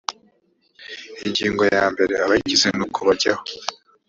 ingingo ya mbere abayigize n uko bajyaho